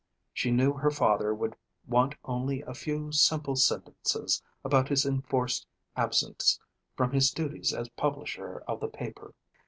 She knew her father would want only a few simple sentences about his enforced absence from his duties as publisher of the paper.